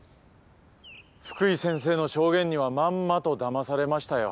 福井先生の証言にはまんまとだまされましたよ。